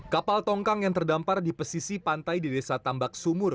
kapal tongkang yang terdampar di pesisi pantai di desa tambak sumur